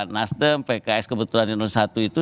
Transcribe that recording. nasdem pks kebetulan satu itu